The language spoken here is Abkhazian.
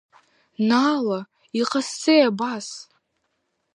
Наала, иҟазҵеи абас?